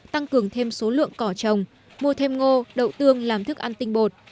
tăng cường thêm số lượng cỏ trồng mua thêm ngô đậu tương làm thức ăn tinh bột